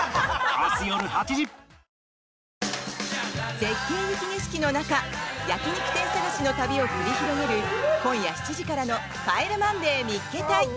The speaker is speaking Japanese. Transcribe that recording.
絶景雪景色の中焼き肉店探しの旅を繰り広げる今夜７時からの「帰れマンデー見っけ隊！！」。